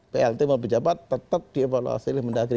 plt dan penjabat tetap dievaluasi oleh menteri dalam negeri